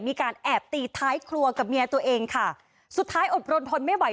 มีการแอบตีท้ายครัวกับเมียตัวเองค่ะสุดท้ายอดรนทนไม่ไหว